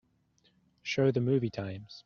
show the movie times